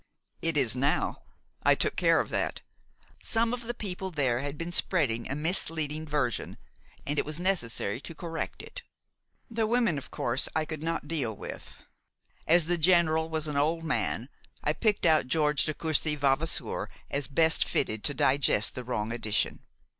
"It is now. I took care of that. Some of the people there had been spreading a misleading version, and it was necessary to correct it. The women, of course, I could not deal with. As the General was an old man, I picked out George de Courcy Vavasour as best fitted to digest the wrong edition.